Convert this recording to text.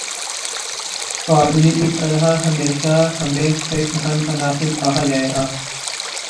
قادری کی طرح ہمیں شرپسند عناصر کہا جائے گا